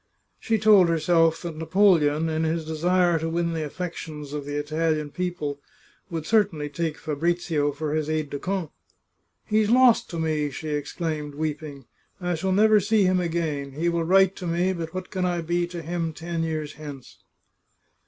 She told herself that Napoleon, in his desire to win the affections of the Italian people, would certainly take Fabrizio for his aide de camp !" He's lost to me !" she exclaimed, weeping. " I shall never see him again ! He will write to me, but what can I be to him ten years hence